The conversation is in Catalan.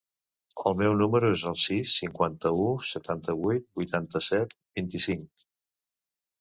El meu número es el sis, cinquanta-u, setanta-vuit, vuitanta-set, vint-i-cinc.